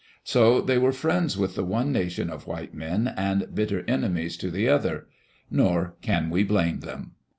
So they were friends with the one nation of white men, and bitter ene mies to the other. Nor can we blame them.